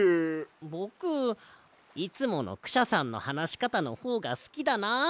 ぼくいつものクシャさんのはなしかたのほうがすきだな。